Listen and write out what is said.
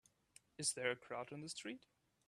Is there a crowd in the street?